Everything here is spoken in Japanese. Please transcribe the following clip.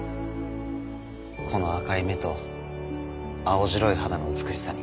この赤い目と青白い肌の美しさに。